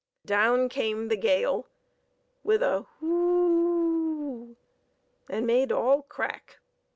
Down came the gale with a whoo, and made all crack.